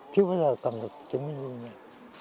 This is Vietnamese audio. chưa bao giờ cầm được chứng minh như vậy